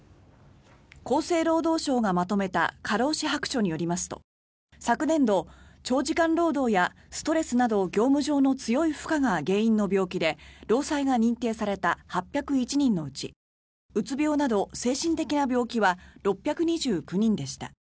厚生労働省がまとめた過労死白書によりますと昨年度長時間労働やストレスなど業務上の強い負荷が原因の病気で労災が認定された８０１人のうちうつ病など精神的な病気は６２９人でした。